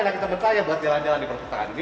anak teman saya buat jalan jalan di perpustakaan ini